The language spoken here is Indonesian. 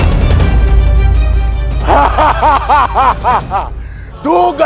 tugas yang sangat mudah